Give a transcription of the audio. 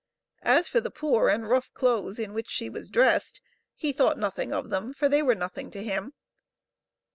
As for the poor and rough clothes in which she was dressed, he thought nothing of them, for they were nothing to him.